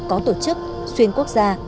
có tổ chức xuyên quốc gia